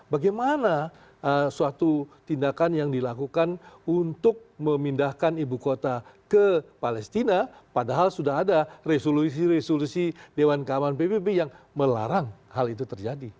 bagaimana suatu tindakan yang dilakukan untuk memindahkan ibu kota ke palestina padahal sudah ada resolusi resolusi dewan kawan pbb yang melarang hal itu terjadi